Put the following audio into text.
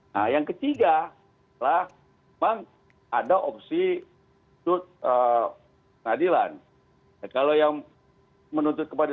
nah yang ketigalah memang spending map false ngiendah dalam tahap btw dia